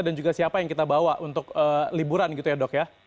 dan juga siapa yang kita bawa untuk liburan gitu ya dok